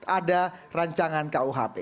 ada rancangan kuhp